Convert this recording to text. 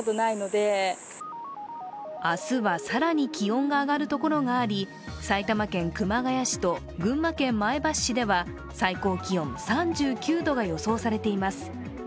明日は更に気温が上がるところがあり、埼玉県熊谷市と群馬県前橋市では最高気温３９度が予想されています。